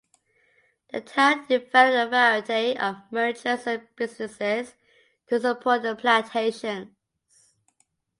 The town developed a variety of merchants and businesses to support the plantations.